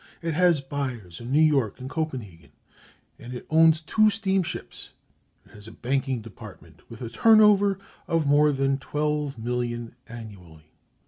It has buyers in New York and Copenhagen, and it owns two steamships. It has a banking department with a turn over of more than £12,000,000 annually."